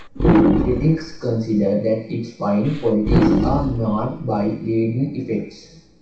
Critics consider that its fine qualities are marred by leaden effects.